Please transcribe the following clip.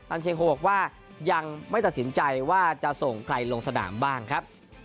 เชโฮบอกว่ายังไม่ตัดสินใจว่าจะส่งใครลงสนามบ้างครับ